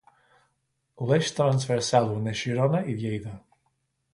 L'eix transversal uneix Girona i Lleida.